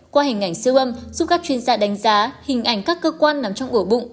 qua hình ảnh siêu âm giúp các chuyên gia đánh giá hình ảnh các cơ quan nằm trong ổ bụng